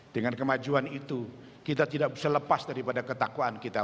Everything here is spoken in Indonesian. dengan kemajuan itu kita tidak bisa lepas daripada ketakwaan kita